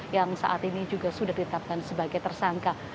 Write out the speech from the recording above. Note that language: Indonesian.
yang saat ini juga sudah ditetapkan sebagai tersangka